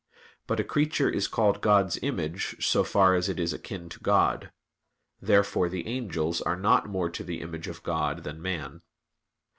But a creature is called God's image so far as it is akin to God. Therefore the angels are not more to the image of God than man.